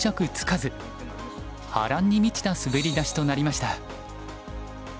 波乱に満ちた滑り出しとなりました。